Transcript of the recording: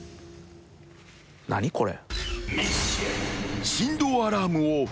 何これ？